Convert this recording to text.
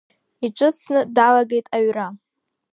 Иҽыцны далагеит аҩра.